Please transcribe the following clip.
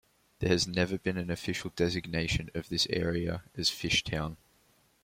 There has never been an official designation of this area as Fishtown.